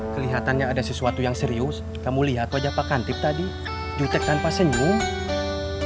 kelihatannya ada sesuatu yang serius kamu lihat wajah pak kantip tadi jutek tanpa senyum